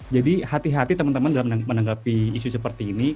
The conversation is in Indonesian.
jadi hati hati teman teman dalam menanggapi isu seperti ini